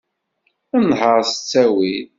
Nheṛ s ttawil.